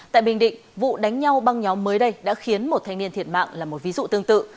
tại bình định vụ đánh nhau băng nhóm mới đây đã khiến một thanh niên thiệt mạng là một ví dụ tương tự